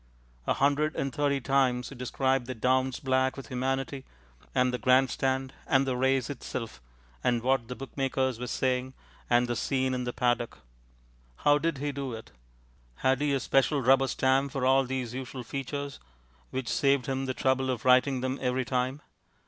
A hundred and thirty times he described the downs black with humanity, and the grandstand, and the race itself, and what the bookmakers were saying, and the scene in the paddock. How did he do it? Had he a special rubber stamp for all these usual features, which saved him the trouble of writing them every time?